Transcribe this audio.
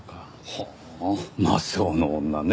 ほう魔性の女ね。